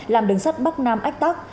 làm đường sắt bắc nam ách tắc